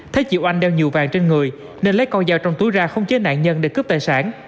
thấy chiều anh đeo nhiều vàng trên người nên lấy con dao trong túi ra không chế nạn nhân để cướp tài sản